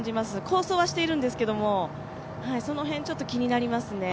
好走はしているんですけども、その辺ちょっと気になりますね。